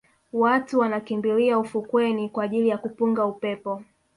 Watu wanakimbilia ufukweni kwa ajili ya kupunga upepo